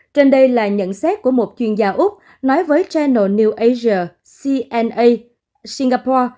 trên đây là nhận xét của một chuyên gia úc nói với chainal new asia cna singapore